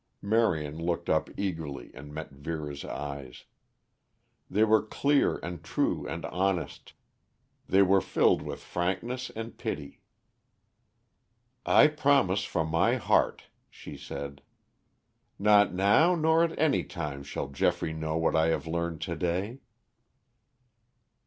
Marion looked up eagerly and met Vera's eyes. They were clear and true and honest; they were filled with frankness and pity. "I promise from my heart," she said. "Not now nor at any time shall Geoffrey know what I have learned to day."